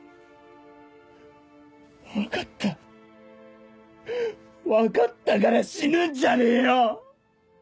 分かった分かったから死ぬんじゃねえよ！